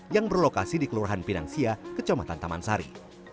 yang berlokasi di kelurahan pinang sia kecamatan tamansari